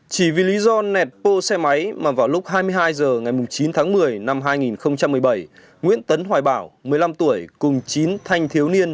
chỉ vì lý do nẹt bô xe máy mà vào lúc hai mươi hai h ngày chín tháng một mươi năm hai nghìn một mươi bảy nguyễn tấn hoài bảo một mươi năm tuổi cùng chín thanh thiếu niên